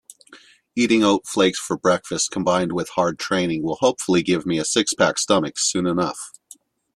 Eating oat flakes for breakfast combined with hard training will hopefully give me a six-pack stomach soon enough.